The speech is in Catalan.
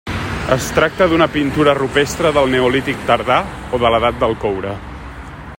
Es tracta d'una pintura rupestre del neolític tardà o de l'edat del coure.